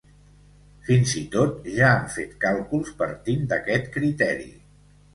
Fins i tot ja han fet càlculs partint d’aquest criteri.